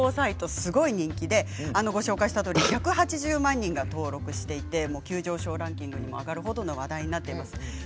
すごく人気でご紹介したとおり１８０万人が登録していて急上昇ランキングに上がる程、話題になっています。